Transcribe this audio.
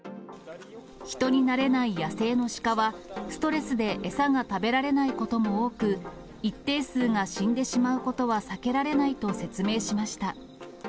人に慣れない野生のシカは、ストレスで餌が食べられないことも多く、一定数が死んでしまうことは避けられないと説明しました。